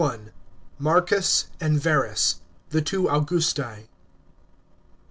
— MARCUS AND VEBUS. THE TWO AUGKJSTI.